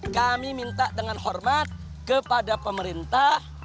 kami minta dengan hormat kepada pemerintah